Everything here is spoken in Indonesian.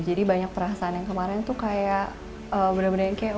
jadi banyak perasaan yang kemarin tuh kayak bener bener kayak